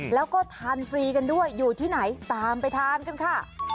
แล้วก็ทานฟรีกันด้วยอยู่ที่ไหนตามไปทานกันค่ะ